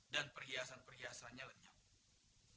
dan perhiasan perhiasannya lenyap